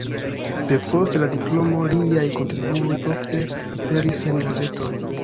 Depost la diplomo liaj kontribuoj ofte aperis en gazetoj.